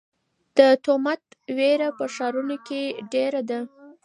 د تومت وېره په ښارونو کې ډېره ده.